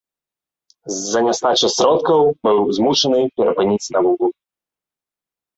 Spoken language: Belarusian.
З-за нястачы сродкаў быў змушаны перапыніць навуку.